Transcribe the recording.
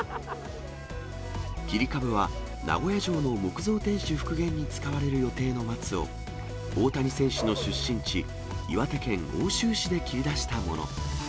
切り株は、名古屋城の木造天守復元に使われる予定の松を、大谷選手の出身地、岩手県奥州市で切り出したもの。